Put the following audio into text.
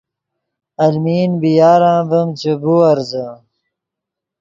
المین بی یار ام ڤیم چے بیورزے